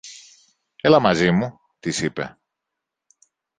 Έλα μαζί μου, της είπε.